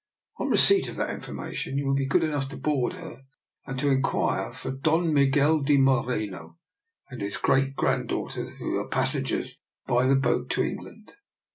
On receipt of that information you will be good enough to board her and to inquire for Don Miguel de Moreno and his great granddaugh ter, who are passengers by the boat to Eng land.